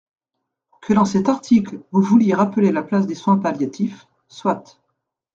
Que dans cet article, vous vouliez rappeler la place des soins palliatifs, soit.